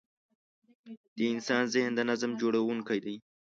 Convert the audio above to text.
د انسان ذهن د نظم جوړوونکی دی.